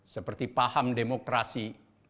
seperti paham demokrasi